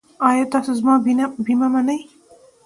ایا تاسو زما بیمه منئ؟